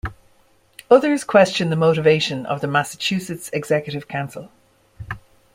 Others question the motivation of the Massachusetts Executive Council.